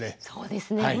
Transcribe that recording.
そうですね。